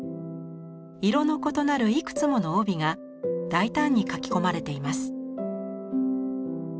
色の異なるいくつもの帯が大胆に描き込まれています。